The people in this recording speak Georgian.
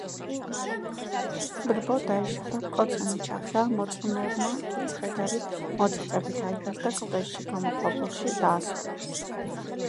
ბრბო დაიშალა, კოცონი ჩაქრა, მორწმუნეებმა კი ცხედარი მოწიწებით აიღეს და კლდეში გამოქვაბულში დაასვენეს.